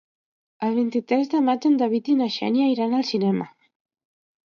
El vint-i-tres de maig en David i na Xènia iran al cinema.